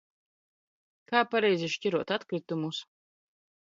Kā pareizi šķirot atkritumus?